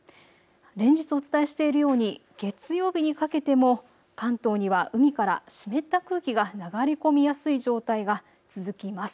連日お伝えしているように月曜日にかけても関東には海から湿った空気が流れ込みやすい状態が続きます。